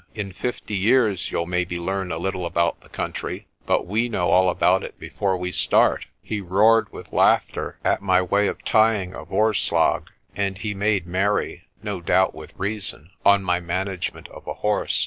In fifty years you'll maybe learn a little about the country, but we know all about it before we start." He roared with laughter at my way of tying a voorslag, and he made merry (no doubt with reason) on my management of a horse.